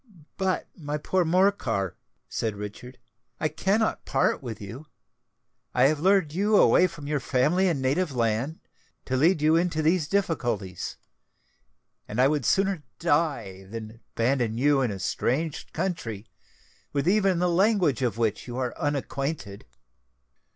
"But, my poor Morcar," said Richard, "I cannot part with you. I have lured you away from your family and native land, to lead you into these difficulties; and I would sooner die than abandon you in a strange country, with even the language of which you are unacquainted."